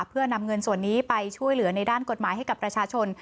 เพื่อนำเงินส่วนนี้ไปช่วยเหลือในด้านกฎหมายให้กับประชาชน